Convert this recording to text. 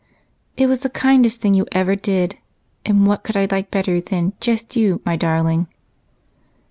"It was the kindest thing you ever did, and what could I like better than 'just you,' my darling?"